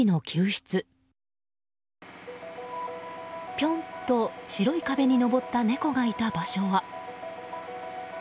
ぴょんと白い壁に登った猫がいた場所は。